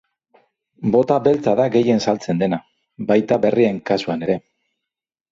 Bota beltza da gehien saltzen dena, baita berrien kasuan ere.